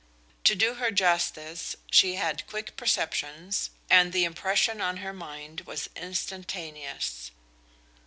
To do her justice, she had quick perceptions, and the impression on her mind was instantaneous.